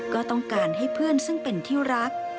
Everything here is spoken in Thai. ก็ต้องการให้เพื่อนซึ่งเป็นที่รัก